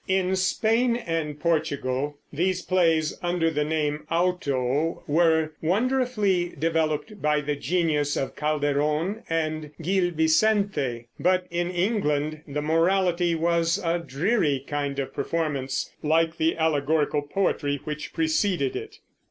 In Spain and Portugal these plays, under the name auto, were wonderfully developed by the genius of Calderon and Gil Vicente; but in England the Morality was a dreary kind of performance, like the allegorical poetry which preceded it.